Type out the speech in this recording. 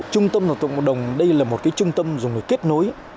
trung tâm học tập cộng đồng đây là một trung tâm dùng để kết nối